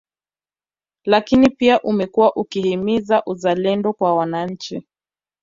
Lakini pia umekuwa ukihimiza uzalendo kwa wananchi